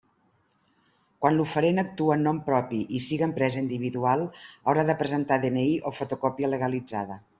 Quan l'oferent actue en nom propi i siga empresa individual, haurà de presentar DNI o fotocòpia legalitzada.